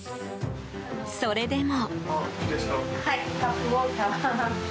それでも。